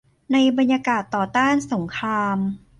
ในบรรยากาศต่อต้านสงคราม